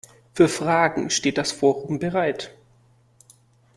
Für Fragen steht das Forum bereit.